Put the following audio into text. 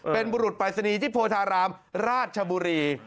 เป็นบุรุษปรายศนีย์ที่โพธารามราชบุรี